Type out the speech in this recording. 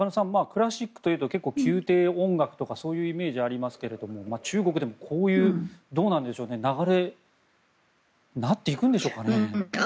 クラシックというと宮廷音楽とかそういうイメージがありますが中国でもこういうどうなんでしょうか流れになっていくんでしょうかね。